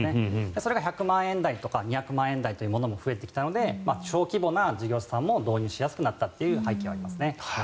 それが１００万円台とか２００万円台のものも増えてきたので小規模な事業者さんも導入しやすくなったという背景もありますね。